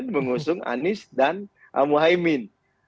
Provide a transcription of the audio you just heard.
mengusung anies dan amuhaimin